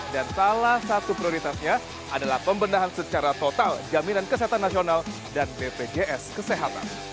dan salah satu prioritasnya adalah pembendahan secara total jaminan kesehatan nasional dan bpjs kesehatan